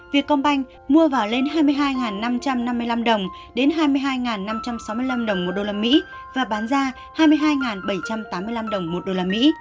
vietcombank mua vào lên hai mươi hai năm trăm năm mươi năm đồng đến hai mươi hai năm trăm sáu mươi năm đồng một đô la mỹ và bán ra hai mươi hai bảy trăm tám mươi năm đồng một đô la mỹ